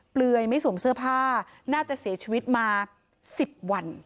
เปลือยไม่สวมเสื้อผ้าน่าจะเสียชีวิตมา๑๐วัน